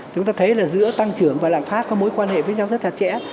chúng ta thấy là giữa tăng trưởng và lạm phát có mối quan hệ với nhau rất là trẻ